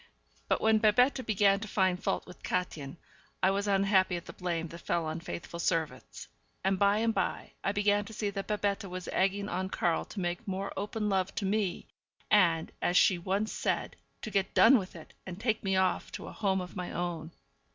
But when Babette began to find fault with Kätchen, I was unhappy at the blame that fell on faithful servants; and by and by I began to see that Babette was egging on Karl to make more open love to me, and, as she once said, to get done with it, and take me off to a home of my own.